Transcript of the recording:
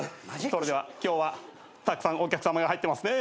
それでは今日はたくさんお客さまが入ってますね。